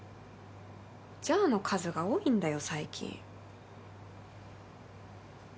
じゃあの数が多いんだよ、最近。